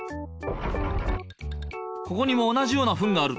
ここにも同じようなフンがある。